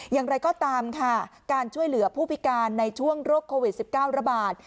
อย่างไรก็ตามค่ะการช่วยเหลือผู้พิการในช่วงโรคโควิด๑๙ระบาด